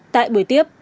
tại buổi tiếp